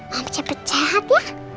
mam cepet sehat ya